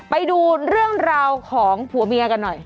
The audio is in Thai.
ไปดูเรื่องราวของผัวเมียกันหน่อย